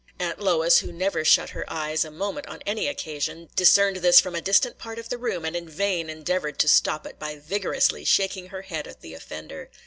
Aunt Lois, who never shut her eyes a moment on any occasion, discerned this from a distant part of the room, and in vain endeavored to stop it by vigorously shaking her head at the offender.